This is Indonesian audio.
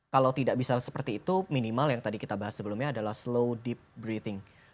kalau tidak bisa seperti itu minimal yang tadi kita bahas sebelumnya adalah slow deep breathing